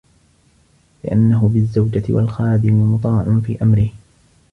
لِأَنَّهُ بِالزَّوْجَةِ وَالْخَادِمِ مُطَاعٌ فِي أَمْرِهِ